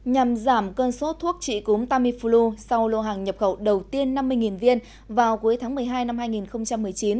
nhằm giảm cơn sốt thuốc trị cúm tamiflu sau lô hàng nhập khẩu đầu tiên năm mươi viên vào cuối tháng một mươi hai năm hai nghìn một mươi chín